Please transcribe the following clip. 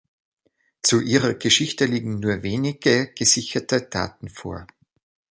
Zu ihrer Geschichte liegen nur wenige gesicherte Daten vor.